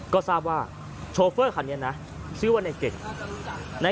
ก็ทราบว่าโชฟอร์รขนี้นซิวว่านะเก่ง